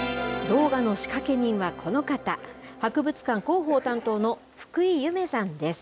動画の仕掛け人はこの方、博物館広報担当の福井ゆめさんです。